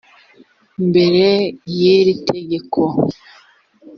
mbere y iri tegeko